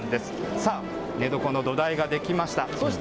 さあ、寝床の土台が出来ました。